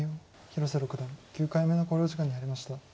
広瀬六段９回目の考慮時間に入りました。